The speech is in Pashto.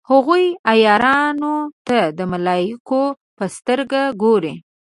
هغوی عیارانو ته د ملایکو په سترګه ګوري.